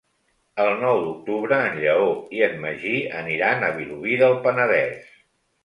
El nou d'octubre en Lleó i en Magí aniran a Vilobí del Penedès.